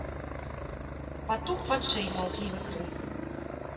Патух вачэй маўклівы крык.